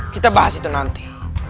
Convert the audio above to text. kita bahas itu nanti